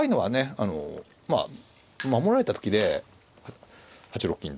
あのまあ守られた時で８六銀と。